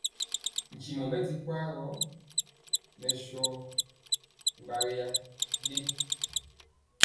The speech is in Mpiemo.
Ntimɔ mɛ di kwaa gɔ, mɛ sɔ gbɛsundu ɗe.